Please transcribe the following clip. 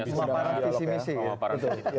semua para fisimisi ya